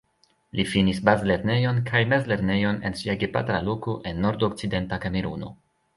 Li finis bazlernejon kaj mezlernejon en sia gepatra loko en Nordokcidenta Kameruno.